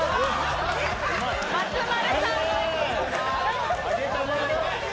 松丸さん。